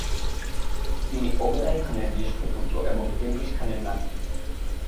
তিনি ওগেদাই খানের জ্যেষ্ঠ পুত্র এবং চেঙ্গিস খানের নাতি।